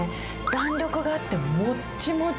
弾力があって、もっちもち。